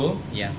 ciri khasnya nyus